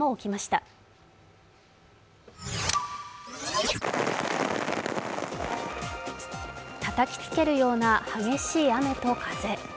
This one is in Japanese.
たたきつけるような激しい雨と風。